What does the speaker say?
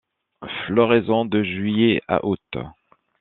Floraison de juillet à aout.